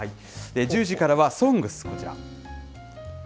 １０時からはＳＯＮＧＳ、こちら。